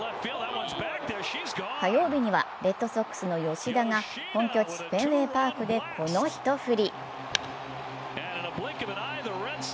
火曜日には、レッドソックスの吉田が本拠地フェンウェイ・パークでこの一振り。